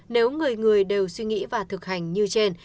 nếu người người đều suy nghĩ và thực hành như trên